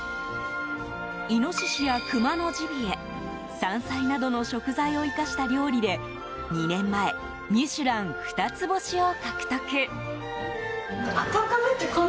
イノシシやクマのジビエ山菜などの食材を生かした料理で２年前「ミシュラン」二つ星を獲得。